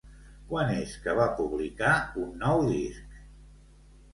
Quan és que va publicar un nou disc?